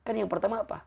kan yang pertama apa